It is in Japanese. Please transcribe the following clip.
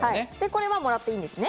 これは貰っていいんですね。